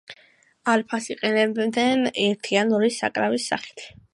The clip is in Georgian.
არფას იყენებენ ერთი ან ორი საკრავის სახით.